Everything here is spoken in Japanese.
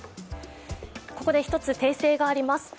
ここで１つ、訂正があります。